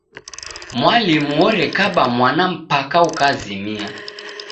Mwalimu orekaba mwana mpaka ukazimia.